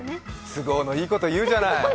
都合のいいこと言うじゃない。